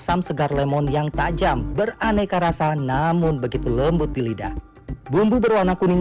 asam segar lemon yang tajam beraneka rasa namun begitu lembut di lidah bumbu berwarna kuning